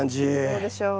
どうでしょう？